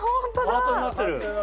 ハートになってる！